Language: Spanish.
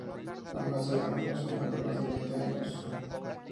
Ambas llevan funcionando más de veinte años.